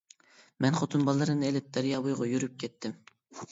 مەن خوتۇن بالىلىرىمنى ئېلىپ دەريا بويىغا يۈرۈپ كەتتىم.